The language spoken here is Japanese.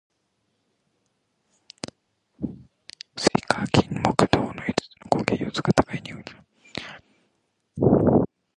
水・火・金・木・土の五つの根元要素が互いに力を減じ合い、水は火に、火は金に、金は木に、木は土に、土は水に勝つという考え方。五行の徳を歴代の王朝にあてはめて変遷の順を理論づけた学説の一つ。